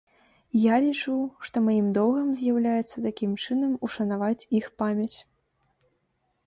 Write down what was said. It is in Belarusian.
Я лічу, што маім доўгам з'яўляецца такім чынам ушанаваць іх памяць.